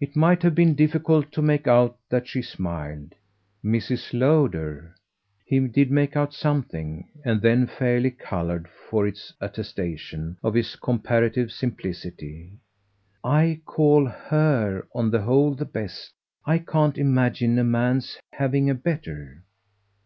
It might have been difficult to make out that she smiled. "Mrs. Lowder." He did make out something, and then fairly coloured for its attestation of his comparative simplicity. "I call HER on the whole the best. I can't imagine a man's having a better."